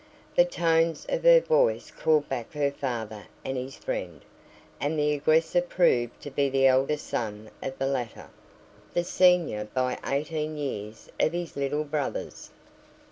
The tones of her voice called back her father and his friend, and the aggressor proved to be the eldest son of the latter, the senior by eighteen years of his little brothers.